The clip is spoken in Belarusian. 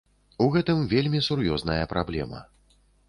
У гэтым вельмі сур'ёзная праблема.